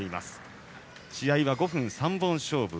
試合は５分３本勝負。